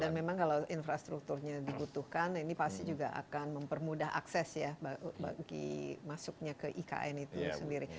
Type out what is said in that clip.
dan memang kalau infrastrukturnya dibutuhkan ini pasti juga akan mempermudah akses ya bagi masuknya ke ikn itu sendiri